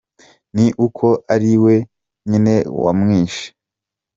Ni uko ari we nyine wamwishe.